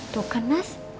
tuh kan mas